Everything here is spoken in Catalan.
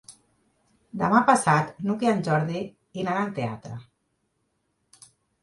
Demà passat n'Hug i en Jordi iran al teatre.